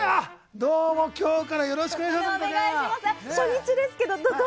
どうも、今日からよろしくお願いします！